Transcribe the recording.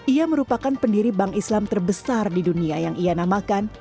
ia merupakan pendiri bank islam terbesar di dunia yang ia namakan